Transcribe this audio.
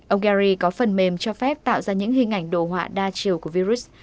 ông gari có phần mềm cho phép tạo ra những hình ảnh đồ họa đa chiều của virus